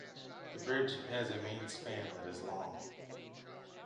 The bridge has a main span that is long.